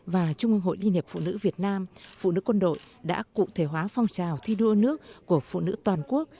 và trung ương hội liên hiệp phụ nữ việt nam phụ nữ quân đội đã cụ thể hóa phong trào thi đua nước của phụ nữ toàn quốc